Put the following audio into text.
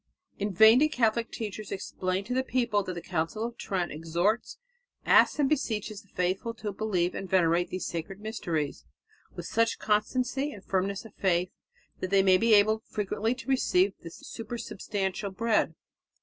In vain did Catholic teachers explain to the people that the Council of Trent "exhorts, asks and beseeches the faithful to believe and venerate these sacred mysteries ... with such constancy and firmness of faith ... that they may be able frequently to receive the supersubstantial bread."